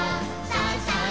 「さあさあ